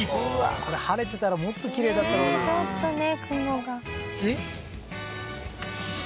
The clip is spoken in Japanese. これ晴れてたらもっときれいだったろうなちょっとね